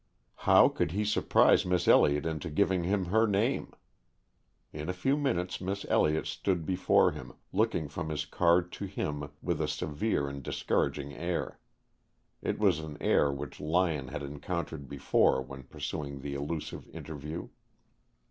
How could he surprise Miss Elliott into giving him her name? In a few minutes Miss Elliott stood before him, looking from his card to him with a severe and discouraging air. It was an air which Lyon had encountered before when pursuing the elusive interview.